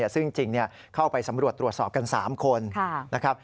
ซึ่งจริงเข้าไปสำรวจตรวจสอบกัน๓คนนะครับ